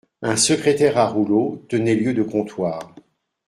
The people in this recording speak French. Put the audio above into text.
Un secrétaire à rouleau tenait lieu de comptoir.